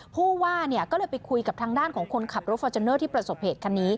ผู้ว่าก็เลยไปคุยกับทางด้านของคนขับรถฟอร์จูเนอร์ที่ประสบเหตุคันนี้